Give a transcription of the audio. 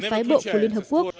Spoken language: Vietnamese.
phái bộ của liên hợp quốc